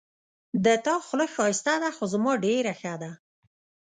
د تا خوله ښایسته ده خو زما ډېره ښه ده